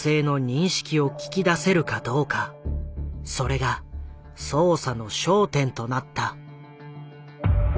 それが捜査の焦点となった。